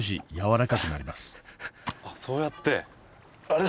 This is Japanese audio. あっそうやって。